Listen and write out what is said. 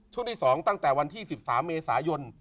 ช่วงที่๒ตั้งแต่วันที่๑๓เมษายน